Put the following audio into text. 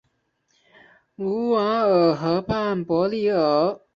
卢瓦尔河畔博利厄。